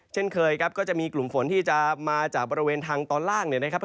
เช่นเคยครับก็จะมีกลุ่มฝนที่จะมาจากบริเวณทางตอนล่างเนี่ยนะครับ